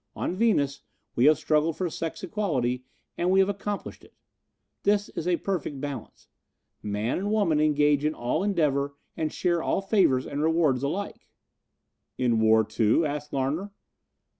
On Venus we have struggled for sex equality and have accomplished it. This is a perfect balance. Man and women engage in all endeavor and share all favors and rewards alike." "In war, too?" asked Larner.